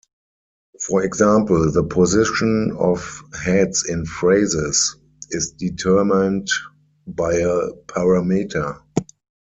For example, the position of heads in phrases is determined by a parameter.